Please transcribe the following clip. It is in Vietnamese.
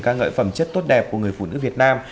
ca ngợi phẩm chất tốt đẹp của người phụ nữ việt nam